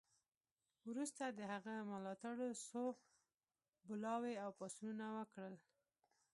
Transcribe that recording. وروسته د هغه ملاتړو څو بلواوې او پاڅونونه وکړل.